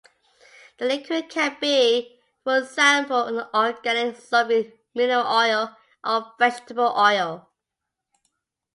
The liquid can be, for example, an organic solvent, mineral oil, or vegetable oil.